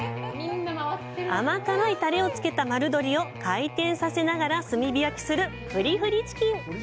甘辛いタレをつけた丸鶏を回転させながら炭火焼きするフリフリチキン。